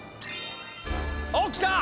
おっきた！